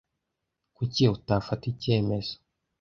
Kuki utafata icyemezo?